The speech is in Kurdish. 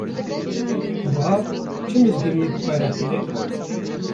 Buhar çi mizgîniyê bi xwe re tîne?